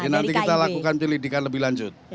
nanti kita lakukan pilih dikan lebih lanjut